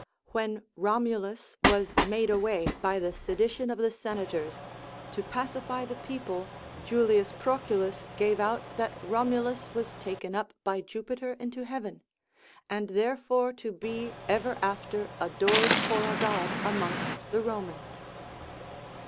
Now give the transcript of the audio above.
When Romulus was made away by the sedition of the senators, to pacify the people, Julius Proculus gave out that Romulus was taken up by Jupiter into heaven, and therefore to be ever after adored for a god amongst the Romans.